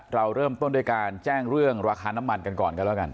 เราเริ่มต้นด้วยการแจ้งเรื่องราคาน้ำมันกันก่อนกันแล้วกัน